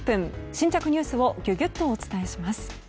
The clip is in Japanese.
新着ニュースをギュギュッとお伝えします。